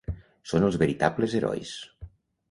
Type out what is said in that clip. Són els veritables herois.